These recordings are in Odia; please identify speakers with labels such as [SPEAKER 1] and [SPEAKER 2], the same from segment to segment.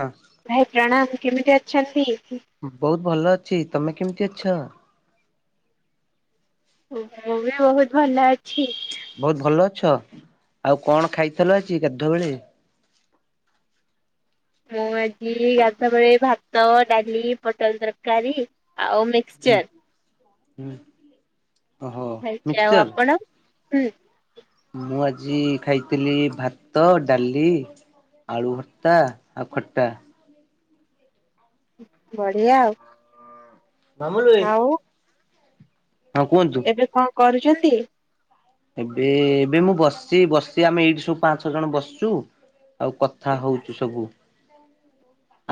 [SPEAKER 1] ହଁ।
[SPEAKER 2] ଭାଇ ପ୍ରଣାମ, କେମିତି ଅଛନ୍ତି?
[SPEAKER 1] ବହୁତ ଭଲ ଅଛି, ତମେ କେମିତି ଅଛ?
[SPEAKER 2] ଓ ମୁଁ ବି ବହୁତ ଭଲ ଅଛି।
[SPEAKER 1] ବହୁତ ଭଲ ଅଛ, ଆଉ କଣ ଖାଇଥିଲ ଆଜି ଗାଧୁଆ ବେଳେ?
[SPEAKER 2] ମୁଁ ଆଜି ଗାଧୁଆ ବଳେ ଭାତ, ଡାଲି, ପୋଟଳ ତରକାରୀ ଆଉ ମେ
[SPEAKER 1] ଉଁ ଉଁ ଓହୋ
[SPEAKER 2] ଖାଇଛି। ଆଉ
[SPEAKER 1] ମିକ୍ସଚର?
[SPEAKER 2] ଆପଣ? ହୁଁ।
[SPEAKER 1] ମୁଁ ଆଜି ଖାଇଥିଲି ଭାତ, ଡାଲି ଆଳୁ ଭର୍ତ୍ତା ଆଉ ଖଟା।
[SPEAKER 2] ବଢିଆ ଆଉ।
[SPEAKER 1] ମାମୁନି।
[SPEAKER 2] ଆଉ
[SPEAKER 1] ହଁ କୁହନ୍ତୁ।
[SPEAKER 2] ଏବେ କଣ କରୁଚନ୍ତି?
[SPEAKER 1] ଏବେ ଏବେ ମୁଁ ବସଚି ବସଚି ଆମେ ଏଇଠି ସବୁ ପାଞ୍ଚ ଛଅ ଜଣ ବସିଚୁ ଆଉ କଥା ହଉଚୁ ସବୁ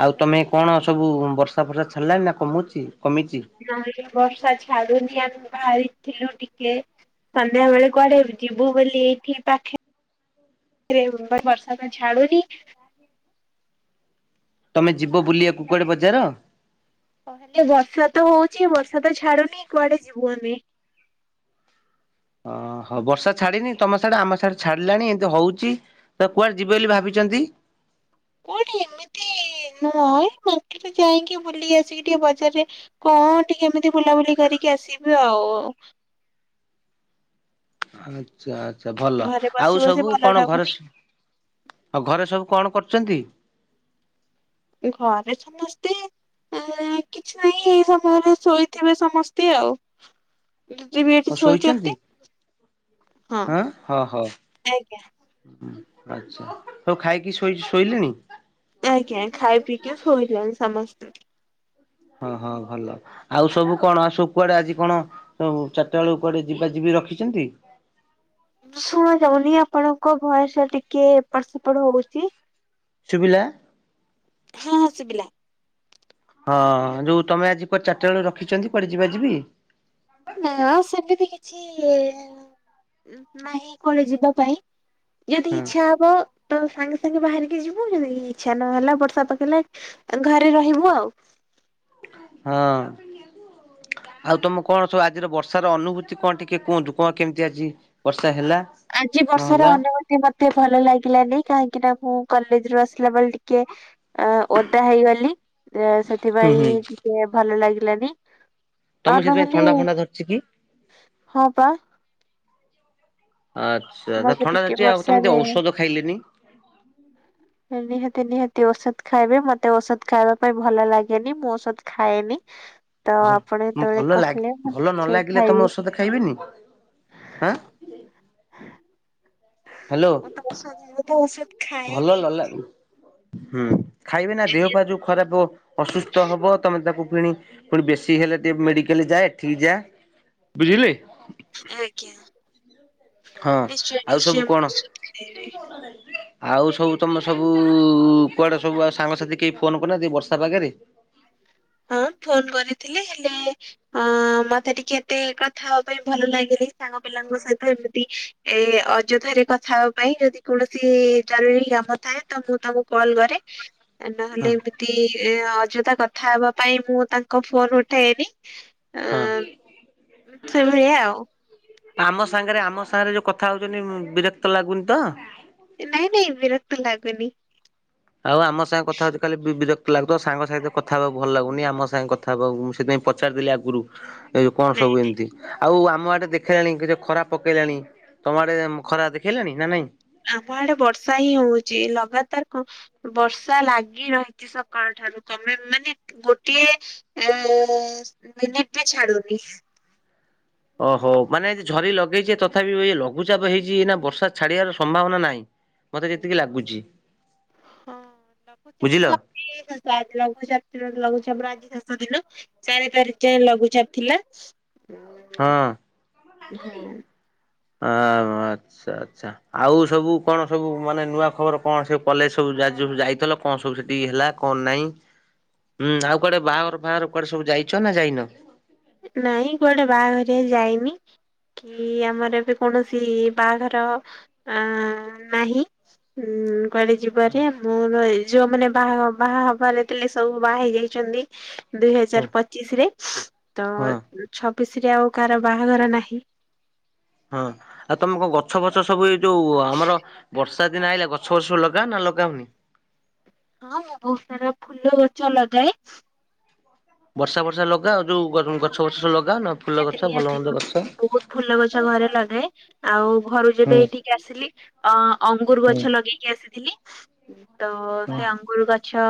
[SPEAKER 1] ଆଉ ତମେ କଣ ସବୁ ବର୍ଷା ଫର୍ଷା ଛାିଡିଲାଣି ନା କମୁଚି କମିଚି?
[SPEAKER 2] ନା ଏଇ ବର୍ଷା ଛାଡୁନି ଆମେ ବାହାରିଥିଲୁ ଟିକେ ସନ୍ଧ୍ୟା ବେଳେ କୁଆଡେ ଯିବୁ ବୋଲି ଏଇଠି ପାଖେ ରେ ବଟ୍ ବର୍ଷା ତ ଛାଡୁନି -
[SPEAKER 1] ତମେ ଯିବ ବୁଲିବାକୁ କୁଆଡେ ବଜାର?
[SPEAKER 2] ଏ ବର୍ଷା ତ ହଉଚି ବର୍ଷା ତ ଛାଡୁନି କୁଆଡେ ଯିବୁ ଆମେ
[SPEAKER 1] ଅ ହ ବର୍ଷା ଛାଡିନି ତମ ସିଆଡେ ଆମ ସିଆଡେ ଛାଡିଲାଣି ଏଇଁତି ହଉଚି - ତ କୁଆଡେ ଯିବେ ବୋଲି ଭାବିଚନ୍ତି?
[SPEAKER 2] କୋଉଠି ଏମିତି ନୁହ ମାର୍କେଟରେ ଯାଇକି ବୁଲି ଆସିକି ଟିକେ ବଜାରେ କଣ ଟିକେ ଏମିତି ବୁଲାବୁଲି କରିକି ଆସିବି ଆଉ
[SPEAKER 1] ଆଚ୍ଛା ଆଛା ଭଲ
[SPEAKER 2] ଘରେ
[SPEAKER 1] ଆଉ
[SPEAKER 2] ବସି ବସି
[SPEAKER 1] ସବୁ
[SPEAKER 2] ଭଲ
[SPEAKER 1] କଣ ଘରେ
[SPEAKER 2] ଲାଗୁନି
[SPEAKER 1] ସ ଆଉ ଘରେ ସବୁ କଣ କରୁଚନ୍ତି?
[SPEAKER 2] ଘରେ ସମସ୍ତେ କିଛି ନାଇଁ ଏଇ ସମୟରେ ଶୋଇଥିବେ ସମସ୍ତେ ଆଉ ଦିଦି ବି ଏଠି
[SPEAKER 1] ଆଉ ଶୋଇଛନ୍ତି
[SPEAKER 2] ଶୋଇଚନ୍ତି, ହଁ, ଆଜ୍ଞା।
[SPEAKER 1] ଆଛା ସବୁ ଖାଇକି ଶୋଇ ଶୋଇଲେଣି?
[SPEAKER 2] ଆଜ୍ଞା ଖାଇ ପିଇକି ଶୋଇଲେଣି ସମସ୍ତେ।
[SPEAKER 1] ହଁ ହଁ ଭଲ। ଆଉ ସବୁ କଣ ଆ ସବୁ କୁଆଡେ ଆଜି କଣ ଚାରଟା ବେଳକୁ କୁଆଡେ ଯିବା ଯିବି ରଖିଚନ୍ତି?
[SPEAKER 2] ଶୁଣା ଯାଉନି ଆପଣଙ୍କ ବୟସ ଏପଟ ସେପଟ ହଉଚି।
[SPEAKER 1] ଚୁବିଲା?
[SPEAKER 2] ହଁ ହଁ ଶୁବିଲା।
[SPEAKER 1] ହଁ ଯୋଉ ତମେ ଆଜି ଚାରଟା ବେଳକୁ ରଖିଛନ୍ତି କୁଆଡେ ଯିବା ଯିବି?
[SPEAKER 2] ନା ସେମିତି କିଛି ନାହିଁ କୁଆଡେ ଯିବା ପାଇଁ। ଯଦି
[SPEAKER 1] ହଁ
[SPEAKER 2] ଇଛା ହବ ତ ସାଙ୍ଗେ ସାଙ୍ଗେ ବାହାରିକି ଯିବୁ ଯଦି ଇଚ୍ଛା ନହେଲା ବର୍ଷା ପକେଇଲେ ଘରେ ରହିବୁ ଆଉ।
[SPEAKER 1] ହଁ। ଆଉ ତମ କଣ ସବୁ ଆଜିର ବର୍ଷ ର ଅନୁଭୂତି କଣ ଟିକେ କୁହନ୍ତୁ କଣ କେମିତି ଆଜି? ବର୍ଷା ହେଲା
[SPEAKER 2] ବର୍ଷାର
[SPEAKER 1] ନହେଲା।
[SPEAKER 2] ଆଜି ଅନୁଭୂତି ମତେ ଭଲ ଲାଗିଲାନି କାହିଁକି ନା ମୁଁ କଲେଜରୁ ଆସିଲା ବେଳେ ଟି କେ ଅ ଓଦା ହେଇଗଲି
[SPEAKER 1] ହୁଁ
[SPEAKER 2] ସେଥିପାଇଁ
[SPEAKER 1] ହୁଁ
[SPEAKER 2] ଟିକେ ଭଲ ଲାଗିଲାନି ଆଉ
[SPEAKER 1] ତମକୁ ସେଥିପାଇଁ
[SPEAKER 2] ନହେଲେ
[SPEAKER 1] ଥଣ୍ଡା ଫଣ୍ଡା ଧରିଛି କି?
[SPEAKER 2] ହଁ ପା।
[SPEAKER 1] ଆଚ୍ଛା ତା
[SPEAKER 2] ମତେ
[SPEAKER 1] ଥଣ୍ଡା
[SPEAKER 2] ଟିକେ
[SPEAKER 1] ଧରିଛି ଆଉ ତମେ ତିକେ
[SPEAKER 2] ବର୍ଷାରେ
[SPEAKER 1] ଔଷଧ ଖାଇଲେନି।
[SPEAKER 2] ନିହାତି ନିହାତି ଔଷଧ ଖାଇବି ମତେ ଔଷଧ ଖାଇବା ପାଇଁ ଭଲ ଲାଗେନି ମୁଁ ଔଷଧ ଖାଏନି। ତ
[SPEAKER 1] ଭଲ
[SPEAKER 2] ଆପଣ ଯେତେବେଳେ
[SPEAKER 1] ଭଲ ଲାଗେ
[SPEAKER 2] କହିଲେ ମୁଁ
[SPEAKER 1] ଭଲ ନ
[SPEAKER 2] ନିଶ୍ଚୟ
[SPEAKER 1] ଲାଗିଲେ ତମେ
[SPEAKER 2] ଖାଇବି।
[SPEAKER 1] ଔଷଧ ଖାଇବେନି ହାଁ। ହ୍ୟାଲୋ
[SPEAKER 2] ମତେ ଔଷଧ ଔଷଧ
[SPEAKER 1] ଭଲ
[SPEAKER 2] ଖାଏନି।
[SPEAKER 1] ନ ଲାଗି ହୁଁ ଖାଇବେ ନା ଦେହ ପା ଯୋଉ ଖରାପ ହବ ଅସୁସ୍ଥ ହବ ତମେ ତାକୁ କିଣି ପୁଣି ବେଶୀ ହେଲେ ଟିକେ ମେଡିକାଲ ଯା ଏଠିକ ଯା ବୁଝିଲେ।
[SPEAKER 2] ଆଜ୍ଞା
[SPEAKER 1] ହଁ
[SPEAKER 2] ନିଶ୍ଚୟ
[SPEAKER 1] ଆଉ ସବୁ
[SPEAKER 2] ନିଶ୍ଚୟ ମୁ
[SPEAKER 1] କଣ
[SPEAKER 2] ଔଷଧ ଖାଇବି।
[SPEAKER 1] ଆଉ ସବୁ ତମେ ସବୁ କୁଆଡେ ସବୁ ଆ ସାଙ୍ଗସାଥି କେହି ଫୋନ କରିନାନ୍ତି ବର୍ଷା ପାଗରେ।
[SPEAKER 2] ହଁ ଫୋନ କରିଥିଲେ ହେଲେ ଅ ମତେ ଟିକେ ଏତେ କଥା ହବା ପାଇଁ ଭଲ ଲାଗିଲି ସାଙ୍ଗ ପିଲାଙ୍କ ସହିତ ଏମିତି ଏ ଅଯଥାରେ କଥା ହେବା ପାଇଁ ଯଦି କୌଣସି ଜରୁରୀ କାମ ଥାଏ ତ ମୁଁ ତାଙ୍କୁ କଲ୍ କରେ। ନହେଲେ
[SPEAKER 1] ହଁ
[SPEAKER 2] ଏମିତି ଅଯଥା କଥା ହେବା ପାଇଁ ମୁଁ ତାଙ୍କ ଫୋନ ଉଠାଏନି। ଅ
[SPEAKER 1] ହଁ।
[SPEAKER 2] ସେଭଳିଆ ଆଉ
[SPEAKER 1] ଆମ ସାଙ୍ଗରେ ଆମ ସାଙ୍ଗରେ ଯୋଉ କଥା ହୋଉଚନ୍ତି ବିରକ୍ତ ଲାଗୁନି ତ।
[SPEAKER 2] ନାଇଁ ନାଇଁ ବିରକ୍ତ ଲାଗୁନି।
[SPEAKER 1] ଆଉ ଆମ ସାଙ୍ଗେ କଥା ହଉଚ କାଲି ବିରକ୍ତ ଲାଗୁ ତ ସାଙ୍ଗସାଥି ସହିତ କଥା ହବା ଭଲ ଲାଗୁନି ଆମ ସାଙ୍ଗ କ କଥା ହବାକୁ ମୁଁ ସେଥିପାଇଁ ପଚାରିଥିଲି ଆଗରୁ ଏ ଯେଉ କଣ
[SPEAKER 2] ନାଇଁ।
[SPEAKER 1] ସବୁ ଏମିତି। ଆଉ ଆମ ଆଡେ ଦେଖେଇଲାଣି କି ଯ ଖରା ପକେଇଲାଣି ତମ ଆଡେ ଖରା ଦେଖେଇଲାଣି ନା ନାଇଁ।
[SPEAKER 2] ଆମ ଆଡେ ବର୍ଷା ହିଁ ହଉଚି ଲଗାତାର କଣ ବର୍ଷା ଲାଗି ରହିଚି ସକାଳ ଠାରୁ ତମେ ମାନେ ଗୋଟିଏ ଏ ମିନିଟ୍ ବି ଛାଡୁନି।
[SPEAKER 1] ଓହୋ ମାନେ ଯି ଝରି ଲଗେଇଛି ତଥାବି ବି ଲଘୁଚାପ ହେଇଚି ନା ବର୍ଷା ଛାଡିଆର ସମ୍ଭାବନା ନାହିଁ। ମତେ ଯେତିକି ଲାଗୁଚି।
[SPEAKER 2] ହଁ ଲଘୁଚାପ ତ ଆଜି ଲଘୁଚାପ ଲଘୁଚାପ ର ଆଜି ଶେଷ ଦିନ। ଚାରି ତାରିକ୍ ଯାଏ ଲଘୁଚାପ ଥିଲା।
[SPEAKER 1] ହଁ।
[SPEAKER 2] ହଁ।
[SPEAKER 1] ଆଁ ଆଚ୍ଛା ଆଚ୍ଛା ଆଉ ସବୁ କଣ ସବୁ ମାନେ ନୂଆ ଖବର କଣ ସବୁ କଲେଜ ସବୁ ଯାଇଥିଲ। କଣ ସବୁ ସେଠି ହେଲା କଣ ନାଇଁ। ହୁଁ ଆଉ କୁଆଡେ ବାହାଘର ଫାଆଘର କୁଆଡେ ସବୁ ଯାଇଛ ନା ଯାଇନ।
[SPEAKER 2] ନାଇଁ କୁଆଡେ ବାହାଘରିଆ ଯାଇନି। କି ଆମର ଏବେ କୌଣସି ବାହାଘର ଅ ନାହିଁ। ହୁଁ କହିଲେ ଯିବ ଯେ
[SPEAKER 1] ହଁ
[SPEAKER 2] ମୋର ଯୋଉମାନେ ବାହା ବାହା ହବାରେ ଥିଲେ ସବୁ ବାହା ହେଇ ଯାଇଚନ୍ତି। ଦୁଇ ହଜାର ପଚିଶି ରେ ତ
[SPEAKER 1] ହଁ
[SPEAKER 2] ଛବିଶି ରେ ଆଉ କାହାର ବାହାଘର ନାହିଁ।
[SPEAKER 1] ହଁ ଆଉ ତମେ କଣ ଗଛ ଫଛ ସବୁ ଏଇ ଯୋଉ ଆମର ବର୍ଷା ଦିନ ଆଇଲା ଗଛ ବଛ ଲଗା ନା ଲଗାଉନି।
[SPEAKER 2] ହଁ ମୁଁ ବହୁତ ସାରା ଫୁଲ ଗଛ ଲଗାଏ।
[SPEAKER 1] ବର୍ଷା ବର୍ଷା ଲଗାଅ ଯୋଉ ଗଛ ବୁଛ ଲଗାଅ ନା ଫୁଲ
[SPEAKER 2] ନିହାତି
[SPEAKER 1] ଗଛ ଭଲ
[SPEAKER 2] ନିହାତି
[SPEAKER 1] ମନ୍ଦ ଗଛ।
[SPEAKER 2] ବହୁତ ଫୁଲ ଗଛ ଘରେ ଲଗାଏ ଆଉ ଘରୁ ଯେବେ
[SPEAKER 1] ହୁଁ
[SPEAKER 2] ଏଇଠିକି ଆସିଲି ଅ ଅଙ୍ଗୁରୁ
[SPEAKER 1] ହୁଁ ହୁଁ
[SPEAKER 2] ଗଛ ଲଗେଇକି ଆସିଥିଲି। ତ ସେ ଅଙ୍ଗୁର ଗଛ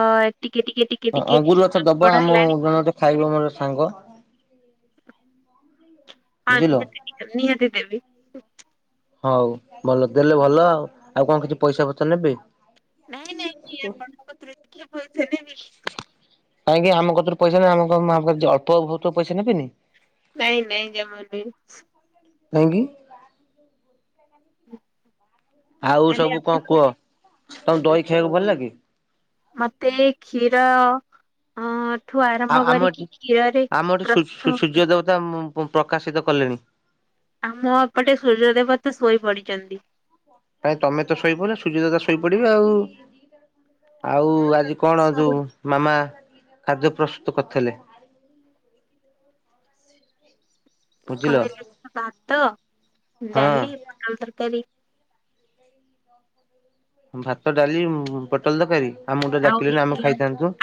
[SPEAKER 2] ଟିକେ ଟିକେ ଟି
[SPEAKER 1] ହଁ ଅଙ୍ଗୁର ଗଛ ଦବ ଆମ ଜଣେ ଖାଇବ ମୋର ସାଙ୍ଗ।
[SPEAKER 2] ହଁ
[SPEAKER 1] ବୁଝିଲ।
[SPEAKER 2] ନିହାତି ନିହା ନିହାତି ଦେବି।
[SPEAKER 1] ହଉ ଭଲ ଦେଲେ ଭଲ ଆଉ ଆଉ କଣ କିଛି ପଇସା ପତ୍ର ନେବେ?
[SPEAKER 2] ନେହିଁ ନେହିଁ କିଆ କ ପତ୍ର ଦେଖି ପସଲେବୋଇଥିଲେ ବିସ [inaudible]
[SPEAKER 1] କାହିଁକି ଆମ କତିରୁ ପଇସା ନେବେ ନାଁ ଆମ ପାଖରୁ ଅଳ୍ପ ବହୁତ ପଇସା ନେବେନି
[SPEAKER 2] ନାହିଁ ନାହିଁ ଜମା ନୁହେଁ
[SPEAKER 1] କାହିଁକି? ଆଉ
[SPEAKER 2] ଆରେ
[SPEAKER 1] ସବୁ କଣ
[SPEAKER 2] ଆପଣ
[SPEAKER 1] କୁହ ତମକୁ ଦହି ଖାଇବାକୁ ଭଲ ଲାଗେ?
[SPEAKER 2] ମତେ କ୍ଷୀର ହଁ ଠୁ
[SPEAKER 1] ଆଉ
[SPEAKER 2] ଆରମ୍ଭ
[SPEAKER 1] ଆମ ଏଠି
[SPEAKER 2] କରିକି କ୍ଷୀରରେ ପ୍ରସ୍ତୁ ହଉଥିଲା
[SPEAKER 1] ଦମ ମୁଁ ପ୍ରକାଶିତ କଲେଣି!
[SPEAKER 2] ଆମ ଏପଟେ ସୂର୍ଯ୍ୟଦେବତା ଶୋଇ ପଡିଚନ୍ତି।
[SPEAKER 1] କାଇଁ ତମେ ତ ଶୋଇପଡିଲ ସୂଯ୍ୟଦେବତା ଶୋଇପଡିବେ ଆଉ ଆଉ
[SPEAKER 2] ମୁଁ
[SPEAKER 1] ଆଜି କଣ
[SPEAKER 2] ସବୁ
[SPEAKER 1] ଯୋଉ ମାମା ଖାଦ୍ୟ ପ୍ରସ୍ତୁତ କରିଥିଲେ? ବୁଝିଲ
[SPEAKER 2] କହିଲି ପରା ଭାତ,
[SPEAKER 1] ହଁ
[SPEAKER 2] ଡାଲି, ପୋଟଳ ତରକାରୀ।
[SPEAKER 1] ଭାତ ଡାଲି ପୋଟଳ ତରକାରୀ ଆମକୁ ତ ଡାକିଲନି ଆମେ ଖାଇଥାନ୍ତୁ।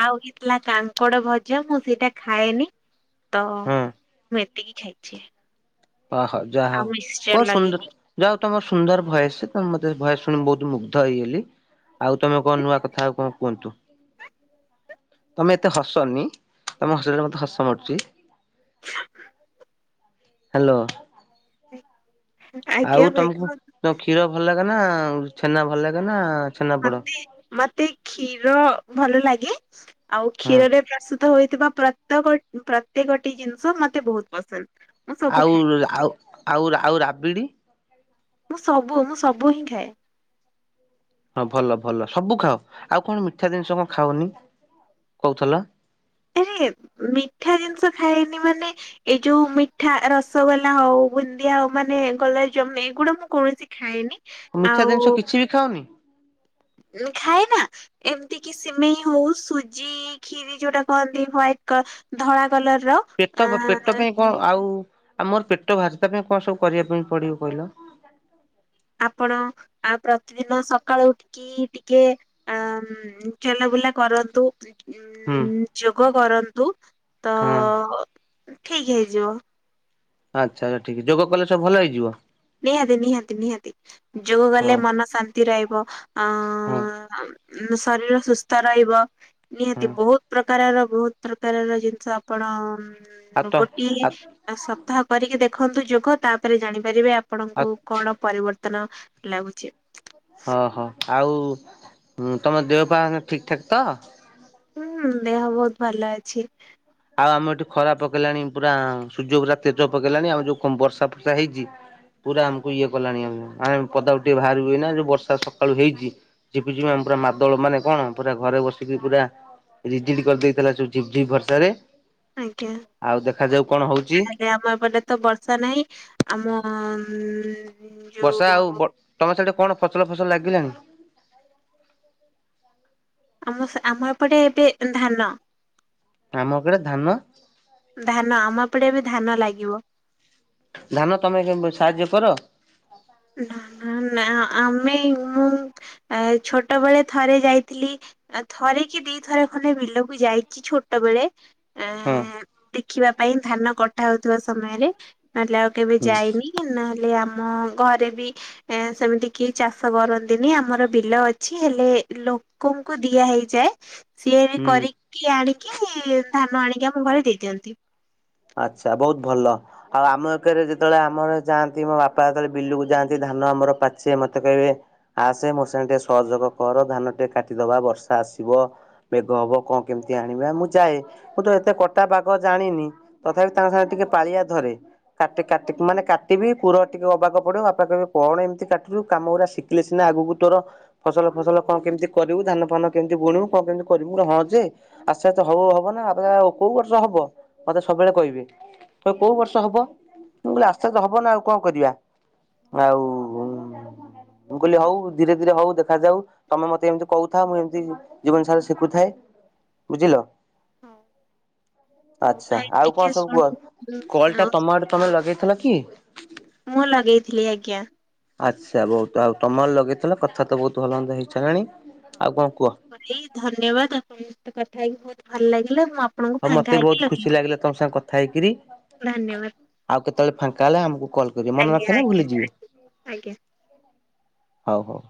[SPEAKER 2] ଲା କାଙ୍କଡ ଭଜା ମୁଁ ସେଇଟା ଖାଏନି ତ
[SPEAKER 1] ହଁ।
[SPEAKER 2] ମୁଁ ଏତିକି ଖାଇଛି।
[SPEAKER 1] ଓ ହଉ ଯାହା
[SPEAKER 2] ଆଉ
[SPEAKER 1] ହଉ
[SPEAKER 2] ମିକ୍ସଚର
[SPEAKER 1] ବହୁତ ସୁନ୍ଦ
[SPEAKER 2] ଲଗେଇକି।
[SPEAKER 1] ଯା ହଉ ତୁମର ସୁନ୍ଦର ଭୟସ ତମ ତ ଭୟସ ଶୁଣି ମୁଁ ବହୁତ ମୁଗ୍ଧ ହେଇଗଲି। ଆଉ ତମେ କଣ ନୂଆ କଥା ଆଉ କଣ କୁହନ୍ତୁ। ତମେ ଏତେ ହସନି ତମେ ହସିଲେ ମତେ ହସ ମାଡୁଚି। ହାଲୋ
[SPEAKER 2] ଆଜ୍ଞା
[SPEAKER 1] ଆଉ
[SPEAKER 2] ଭାଇ
[SPEAKER 1] ତମକୁ
[SPEAKER 2] କୁହନ୍ତୁ
[SPEAKER 1] କ୍ଷୀର ଭଲ ଲାଗେ ନା ଛେନା ଭଲ ଲାଗେ ନା ଛେନାପୋଡ
[SPEAKER 2] ମତେ ମତେ କ୍ଷୀର ଭଲ ଲାଗେ। ଆଉ
[SPEAKER 1] ହଁ
[SPEAKER 2] କ୍ଷୀରରେ ପ୍ରସ୍ତୁତ ହୋଇଥିବା ପ୍ରତକ ପ୍ରତେକଟି ଜିନିଷ ମତେ ବହୁତ ପସନ୍ଦ। ମୁଁ ସବୁ ଖାଏ
[SPEAKER 1] ଆଉ--ଉ--ଆଉ ଆଉ ଆଉ ରାବିଡି
[SPEAKER 2] ମୁଁ ସବୁ ମୁଁ ସବୁ ହିଁ ଖାଏ।
[SPEAKER 1] ହଁ ଭଲ ଭଲ ସବୁ ଖାଅ ଆଉ କଣ ମିଠା ଜିନିଷ କଣ ଖାଅନି କହୁଥିଲ।
[SPEAKER 2] ଆରେ ମିଠା ଜିନିଷ ଖାଇନି ମାନେ। ଏଯୋଉ ମିଠା ରସଗୋଲା ହଉ ବୁନ୍ଦିଆ ହଉ ମାନେ ଗୋଲା ଜାମନ ଏଇଗୁଡା ମୁଁ [unintelligible] ଖାଏନି।
[SPEAKER 1] ମିଠା
[SPEAKER 2] ଆଉ
[SPEAKER 1] ଦିନିସ କିଛି ବି ଖାଅନି?
[SPEAKER 2] ଖାଏନା, ଏମ୍ତିକି ସିମେଇ ହଉ ସୁଜି ଖିରି ଯୋଉଟା କହନ୍ତି ହ୍ୱାଇଟ୍ କ ଧଳା କଲର୍
[SPEAKER 1] ପେଟ ତ ପେଟ ପାଇଁ କଣ ଆଉ ଆମର ପେଟ ବାହାରିଚି ତା ପାଇଁ କଣ ସବୁ କରିବା ପାଇଁ ପଡିବ କହିଲ।
[SPEAKER 2] ଆପଣ ଆଉ ପ୍ରତିଦିନ ସକାଳୁ ଇ ଟିକେ ଆ ଉଁ ଚଲାବୁଲା କରନ୍ତୁ। ଉଁ
[SPEAKER 1] ହୁଁ
[SPEAKER 2] ଯୋଗ କରନ୍ତୁ, ତ
[SPEAKER 1] ହଁ
[SPEAKER 2] ଠିକ ହେଇଯିବ।
[SPEAKER 1] ଆଚ୍ଛା ଠିକ ଯୋଗ କଲେ ସବୁ ଭଲ ହେଇଯିବ?
[SPEAKER 2] ନିହାତି-ନିହାତି-ନିହାତି ଯୋଗ
[SPEAKER 1] ହଁ
[SPEAKER 2] କଲେ ମନ ଶାନ୍ତି ରହିବ ଅଁ।
[SPEAKER 1] [unintelligible]
[SPEAKER 2] ଉଁ ଶରୀର ସୁସ୍ଥ ରହିବ
[SPEAKER 1] ହଁ
[SPEAKER 2] ନିହାତି ବହୁତ୍ ପ୍ରକାରର ବହୁତ୍ ପ୍ରକାରର ଜିନିଷ ଆପଣ
[SPEAKER 1] ଆଉ ତ
[SPEAKER 2] ଗୋଟିଏ
[SPEAKER 1] ଆଉ
[SPEAKER 2] ସପ୍ତାହ କରିକି ଦେଖନ୍ତୁ ଯୋଗ, ତାପରେ ଜାଣିପାରିବେ ଆପଣଙ୍କୁ କଣ ପରିବର୍ତ୍ତନ ଲାଗୁଚି।
[SPEAKER 1] ଅହ ଆଉ ତମ ଦେହପା ଠିକ ଠାକ ତ?
[SPEAKER 2] ହୁଁ ଦେହ ବହୁତ୍ ଭଲ ଅଛି।
[SPEAKER 1] ଆଉ ଆମ ଏଠି ଖରା ପକେଇଲାଣି ପୁରା ସୂର୍ଯ୍ୟ ପୁରା ତେଜ ପକେଇଲାଣି ଆମ ଯୋଉ ବର୍ଷା ଫର୍ଷା ହେଇଚି ପୁରା ଆମକୁ ଇଏ କଲାଣି ଆମକୁ ଆମେ ପଦାକୁ ଟିକେ ବାହାରିବୁ ଏଇନା ଯୋଉ ବର୍ଷା ସକାଳୁ ହେଇଚି ଯିବୁ-ଯିବୁ ଆମ ପୁରା ମାଦଳ ମାନେ କଣ ପୁରା ଘରେ ବସିକି ପୁରା ରିଜିଡ଼ି କରିଦେଇଥିଲା ଯୋଉ ଝିପ୍-ଝିପ୍ ବର୍ଷାରେ।
[SPEAKER 2] ଆଜ୍ଞା।
[SPEAKER 1] ଆଉ ଦେଖାଯାଉ କଣ ହଉଚି।
[SPEAKER 2] ଆଜ୍ଞା ଆମ ଏପଟେ ତ ବର୍ଷା ନାହିଁ, ଆମ ଉଁ
[SPEAKER 1] ବର୍ଷା ଆଉ ତମ ସେଇଠି କଣ ଫସଲ-ଫସଲ ଲାଗିଲାଣି?
[SPEAKER 2] ଆମ ସେ ଆମ ଏପଟେ ଏବେ ଧାନ।
[SPEAKER 1] ଆମ [unintelligible] ଧାନ
[SPEAKER 2] ଧାନ ଆମ ଏପଟେ ଏବେ ଧାନ ଲାଗିବ।
[SPEAKER 1] ଧାନ ତମେ କେମ୍ ସାହାଯ୍ୟ କର?
[SPEAKER 2] ନା-ନା-ନା ଆମେ ମୁଁ ଛୋଟବେଳେ ଥରେ ଯାଇଥିଲି ଆ ଥରେ କି ଦି ଥର ଖଣ୍ଡେ ବିଲକୁ ଯାଇଚି ଛୋଟ ବେଳେ।
[SPEAKER 1] ହଁ
[SPEAKER 2] ଏଁ ଦେଖିବା ପାଇଁ ଧାନ କଟା ହଉଥିବା ସମୟରେ [unintelligible] କେବେ
[SPEAKER 1] ହୁଁ।
[SPEAKER 2] ଯାଇନି ନହେଲେ ଆମ ଘରେ ବି ଏଁ ସେମିତି କେହି ଚାଷ କରନ୍ତିନି ଆମର ବିଲ ଅଛି ହେଲେ ଲୋ କଙ୍କୁ ଦିଆ ହେଇଯାଏ। ସିଲ୍
[SPEAKER 1] ହୁଁ
[SPEAKER 2] କରିକି ଆଣିକି ଧାନ ଆଣିକି ଆମ ଘରେ ଦେଇଦିଅନ୍ତି।
[SPEAKER 1] ଆଚ୍ଛା, ବହୁତ୍ ଭଲ। ଆଉ ଆମ ଏକରେ ଯେତଳେ ଆମର ଯାଆନ୍ତି ମୋ ବାପା ଯେତଳେ ବିଲୁକୁ ଯାଆନ୍ତି ଧାନ ଆମର ପାଚେ ମତେ କହିବେ ଆସେ ମୋ ସାଙ୍ଗରେ ଟିକେ ସହଯୋଗ କର ଧାନ ଟିକେ କାଟିଦବା ବର୍ଷା ଆସିବ ମେଘ ହବ କଣ କେମିତି ଆଣିବା ମୁଁ ଯାଏ ମୁଁ ତ ଏତେ କଟା ବାଗ ଜାଣିନି। ତଥାପି ତାଙ୍କ ସାଙ୍ଗେରେ ଟିକେ ପାଳିଆ ଧରେ। କାଟେ କାଟି ମାନେ କାଟିବି ପୁର ଟିକେ ଅବାଗ ପଡିବ ବାପା କହିବେ କଣ ଏମ୍ତି କାଟୁଚୁ କାମଗୁରା ଥିଲେ ସିନା ଆଗୁକୁ ତୋର ଫସଲ-ଫସଲ କଣ କେମ୍ତି କରିବୁ ଧାନ ଫାନ କେମ୍ତି ବୁଣିବୁ କଣ କେମ୍ତି କରିବୁ ମୁଁ କହିଲି ହଁ ଯେ ଆସ୍ତେ ଆସ୍ତେ ହବ ହବ ନା କୋଉଁ ବର୍ଷ ହବ? ମତେ ସବୁବେଳେ କହିବେ ତ କଉଁ ବର୍ଷ ହେବ ମୁ କହିଲି ଆସ୍ତେ ଆସ୍ତେ ହେବ ନା ଆଉ କଣ କରିବା। ଆଉ ମୁଁ କହିଲି ହଉ ଧୀରେ ଧୀରେ ହଉ ଦେଖାଯାଉ। ତମେ ମତେ ଏମିତି କହୁଥାଅ ମୁଁ ଏମିତି ଜୀବନ ସାରା ଶିଖୁଥାଏ ବୁଝିଲ।
[SPEAKER 2] ହଉ। ହଉ
[SPEAKER 1] ଆଛା
[SPEAKER 2] ଭାଇ
[SPEAKER 1] ଆଉ କଣ
[SPEAKER 2] ଟିକେ
[SPEAKER 1] ସବୁ
[SPEAKER 2] ଶୁଣୁ
[SPEAKER 1] କୁହ କଲ୍
[SPEAKER 2] ଆଉ
[SPEAKER 1] ଟା ତମ ତମ ତମେ ଲଗେଇଥିଲ କି?
[SPEAKER 2] ମୁଁ ଲଗେଇଥିଲି ଆଜ୍ଞା।
[SPEAKER 1] ଆଚ୍ଛା ବହୁତ ଆଉ ତମର ଲଗେଇଥିଲ କଥା ତ ବହୁତ୍ ଭଲ ମନ୍ଦ ହେଇସାରିଲାଣି ଆଉ କଣ କୁହ?
[SPEAKER 2] ହଳି ଧନ୍ୟବାଦ ଆପଣ ଙ୍କ ସହ କଥା ହେଇକି ବହୁତ ଭଲ୍ ଲାଗିଲା ମୁଁ ଆ
[SPEAKER 1] ହଉ ମତେ ବହୁତ୍ ଖୁସି ଲାଗିଲା ତମ୍ ସାଙ୍ଗେ କଥା ହେଇକରି।
[SPEAKER 2] ଲଗେଇବି
[SPEAKER 1] ଆଉ କେତେବେଳେ ଫାଙ୍କା ହେଲା ଆମକୁ କଲ୍ କରିବେ
[SPEAKER 2] ଧନ୍ୟବାଦ
[SPEAKER 1] ମନେ
[SPEAKER 2] ଆଜ୍ଞା
[SPEAKER 1] ରଖିବେ ନା ଭୁଲି
[SPEAKER 2] ଆଜ୍ଞା
[SPEAKER 1] ଯିବେ।
[SPEAKER 2] ଆଜ୍ଞା।
[SPEAKER 1] ହଉ ହଉ।